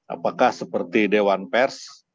apakah seperti dewan pers